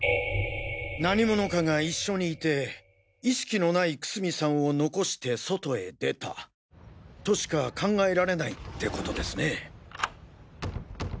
何者かが一緒にいて意識のない楠見さんを残して外へ出た。としか考えられないってことですね。